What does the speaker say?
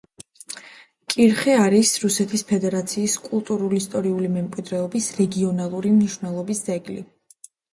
კირხე არის რუსეთის ფედერაციის კულტურულ-ისტორიული მემკვიდრეობის რეგიონალური მნიშვნელობის ძეგლი.